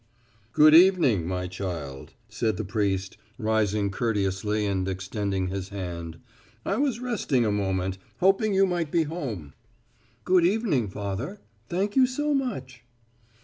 "Good evening, my child," said the priest, rising courteously and extending his hand. "I was resting a moment, hoping you might be home." "Good evening, Father. Thank you so much."